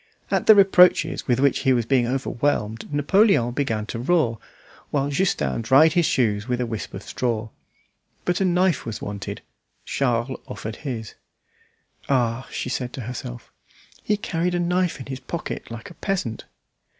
At the reproaches with which he was being overwhelmed Napoleon began to roar, while Justin dried his shoes with a wisp of straw. But a knife was wanted; Charles offered his. "Ah!" she said to herself, "he carried a knife in his pocket like a peasant."